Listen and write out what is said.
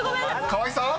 ［河合さん］